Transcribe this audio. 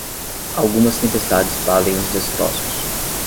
Algumas tempestades valem os destroços.